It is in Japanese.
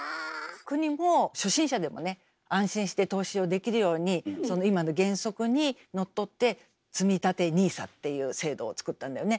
国も初心者でもね安心して投資をできるように今の原則にのっとって「つみたてＮＩＳＡ」っていう制度を作ったんだよね。